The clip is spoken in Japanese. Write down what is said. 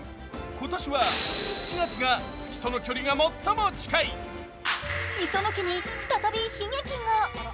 今年は７月が月との距離が最も近い磯野家に再び悲劇が。